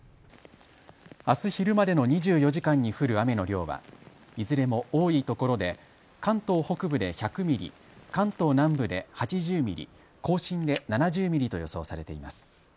あす昼までの２４時間に降る雨の量はいずれも多いところで関東北部で１００ミリ、関東南部で８０ミリ、甲信で７０ミリと予想されています。